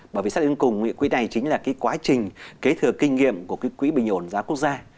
bởi vì xác định cùng quỹ này chính là cái quá trình kế thừa kinh nghiệm của cái quỹ bình ổn giá quốc gia